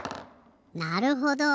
なるほど。